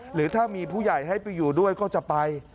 หรือถ้ามีผู้ใหญ่ให้ไปอยู่ด้วยก็จะไป